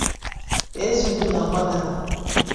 Ezeudo n'Abagana